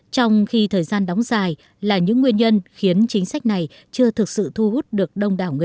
trong khi thời gian đóng dài là những nguyên nhân khiến chính sách này chưa thực sự tăng